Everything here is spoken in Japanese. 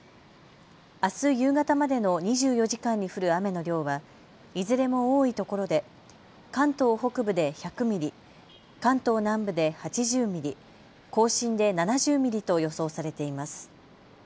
あす夕方までの２４時間に降る雨の量はいずれも多いところで関東北部で１００ミリ、関東南部で８０ミリ、甲信で７０ミリと予想されています。